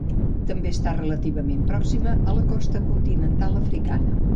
També està relativament pròxima a la costa continental africana.